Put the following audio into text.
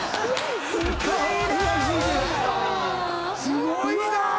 すごいなぁ！